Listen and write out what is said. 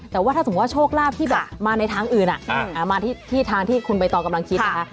แต่ว่าถ้าสมมุติว่าโชคลาภที่แบบมาในทางอื่นมาที่ทางที่คุณใบตองกำลังคิดนะคะ